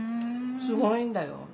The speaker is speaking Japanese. すごいんだよ。